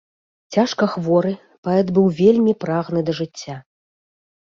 Цяжка хворы, паэт быў вельмі прагны да жыцця.